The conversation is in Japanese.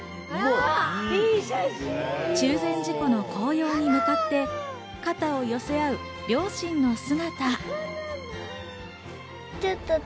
中禅寺湖の紅葉に向かって肩を寄せ合う両親の姿。